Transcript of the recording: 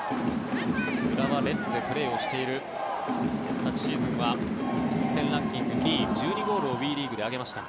浦和レッズでプレーしている昨シーズンは得点ランキング２位１２ゴールをＷＥリーグで挙げました。